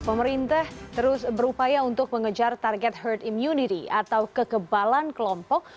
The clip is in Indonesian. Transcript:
pemerintah terus berupaya untuk mengejar target herd immunity atau kekebalan kelompok